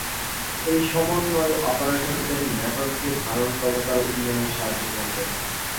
এই সমন্বয় অপারেটরদের নেটওয়ার্কে ধারণ ক্ষমতার উন্নয়নে সাহায্য করবে।